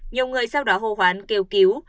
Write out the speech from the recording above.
nhiều người sau đó hô hoán kêu cứu